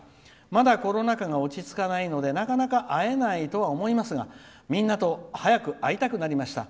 まだコロナ禍が落ち着かないのでなかなか会えないとは思いますがみんなと早く会いたくなりました。